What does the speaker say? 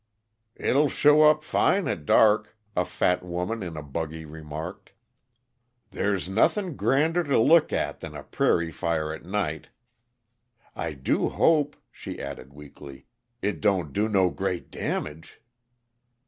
"It'll show up fine at dark," a fat woman in a buggy remarked. "There's nothing grander to look at than a prairie fire at night. I do hope," she added weakly, "it don't do no great damage!"